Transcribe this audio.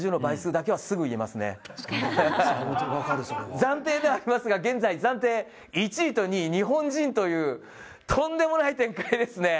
暫定ではありますが、１位と２位日本人という、とんでもない展開ですね。